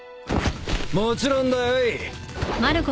もちろんだよい。